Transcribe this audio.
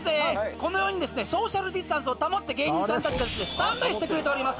このようにソーシャルディスタンスを保って芸人さんたちがスタンバイしてくれております